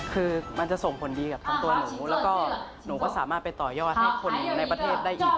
คือมันจะส่งผลดีกับทั้งตัวหนูแล้วก็หนูก็สามารถไปต่อยอดให้คนในประเทศได้อีก